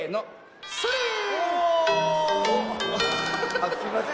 あっすいません。